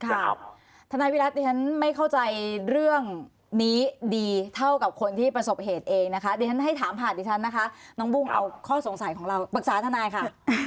ทนายวิรัติดิฉันไม่เข้าใจเรื่องนี้ดีเท่ากับคนที่ประสบเหตุเองนะคะดิฉันให้ถามผ่านดิฉันนะคะน้องบุ้งเอาข้อสงสัยของเราปรึกษาทนายค่ะ